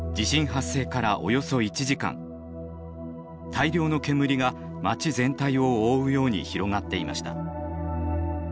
大量の煙が街全体を覆うように広がっていました。